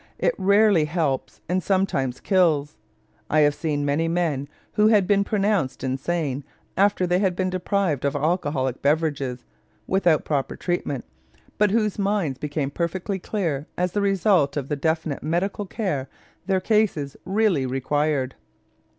It rarely helps and sometimes kills. I have seen many men who had been pronounced insane after they had been deprived of alcoholic beverages, without proper treatment, but whose minds became perfectly clear as the result of the definite medical care their cases really required.